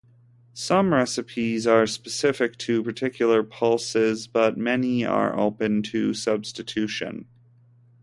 Some recipes are specific to particular pulses, but many are open to substitution.